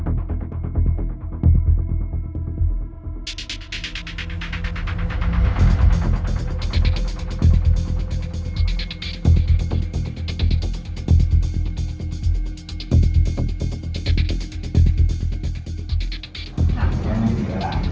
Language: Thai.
เดี๋ยวเราให้การไม่ตามความทรัพย์ที่กิน